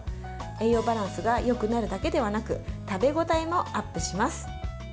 栄養バランスがよくなるだけではなく食べ応えもアップします。